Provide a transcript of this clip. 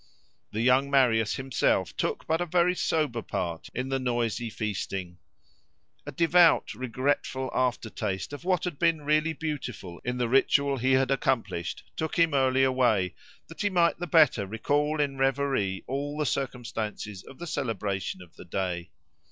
The young Marius himself took but a very sober part in the noisy feasting. A devout, regretful after taste of what had been really beautiful in the ritual he had accomplished took him early away, that he might the better recall in reverie all the circumstances of the celebration of the day.